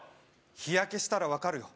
日焼けしたら分かるよ